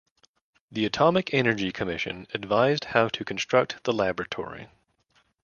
The Atomic Energy Commission advised how to construct the laboratory.